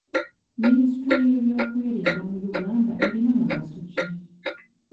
Minisitule y'ebyokwerinda mu Uganda erina mugaso ki?